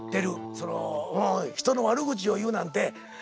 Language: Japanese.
その人の悪口を言うなんて。